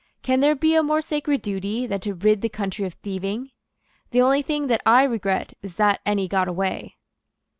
"Can there be a more sacred duty than to rid the country of thieving? The only thing that I regret is that any got away."